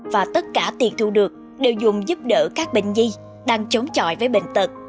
và tất cả tiền thu được đều dùng giúp đỡ các bệnh nhi đang chống chọi với bệnh tật